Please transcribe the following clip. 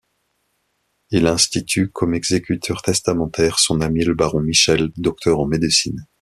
Il institue comme exécuteur testamentaire son ami le baron Michel, docteur en médecine.